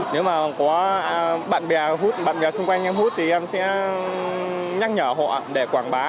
nếu mà có bạn bè hút bạn bè xung quanh em hút thì em sẽ nhắc nhở họ để quảng bá